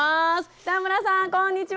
北村さんこんにちは！